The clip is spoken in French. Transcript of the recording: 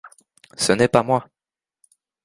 Ce n’est pas moi !…